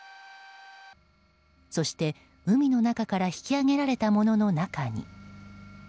そして、海の中から引き揚げられたものの中に。